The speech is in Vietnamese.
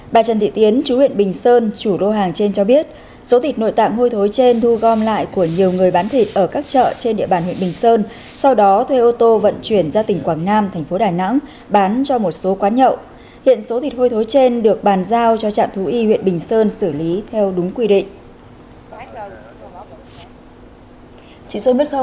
bà trần thị tiến chú huyện bình sơn chủ đô hàng trên cho biết số thịt nội tạng hôi thối trên thu gom lại của nhiều người bán thịt ở các chợ trên địa bàn huyện bình sơn sau đó thuê ô tô vận chuyển ra tỉnh quảng nam thành phố đài nắng bán cho một số quán nhậu hiện số thịt hôi thối trên được bàn giao cho trạm thú y huyện bình sơn xử lý theo đúng quy định